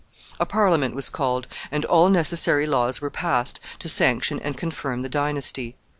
A Parliament was called, and all necessary laws were passed to sanction and confirm the dynasty.